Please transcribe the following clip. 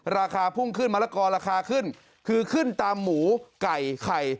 ราคาพุ่งขึ้นมะละกอราคาขึ้นคือขึ้นตามหมูไก่ไข่